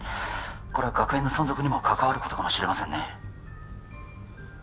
これは学園の存続にも関わることかもしれませんね